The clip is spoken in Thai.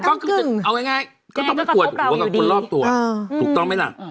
ก็คือจะเอาง่ายก็ต้องไปปวดหัวกับคนรอบตัวถูกต้องไหมล่ะ